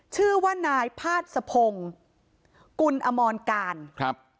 ชื่อว่านายพาดสะพงศ์กุลอมรการครับ